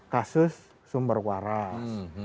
kasus sumber waras